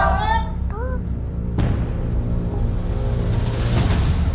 ถูก